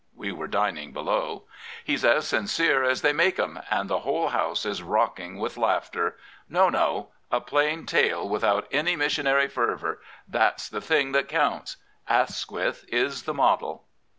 (We were dining below.) " He's as sincere as they make 'em, and the whole House is rocking with laughter. No, no— a plain tale without any missionary fejyour — that's the thing that counts. Asquith is the model."